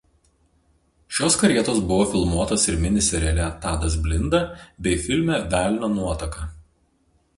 Šios karietos buvo filmuotos ir mini seriale „Tadas Blinda“ bei filme „Velnio nuotaka“.